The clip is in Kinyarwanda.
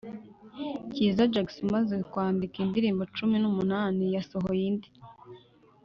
cyiza Jackson umaze kwandika indirimbo cumi n’umunani yasohoye indi